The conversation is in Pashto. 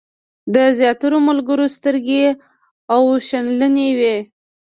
د زیاترو ملګرو سترګې اوښلنې وې.